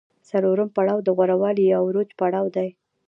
څلورم پړاو د غوره والي یا عروج پړاو دی